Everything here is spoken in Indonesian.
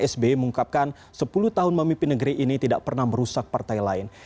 sbi mengungkapkan sepuluh tahun memimpin negeri ini tidak pernah merusak partai lain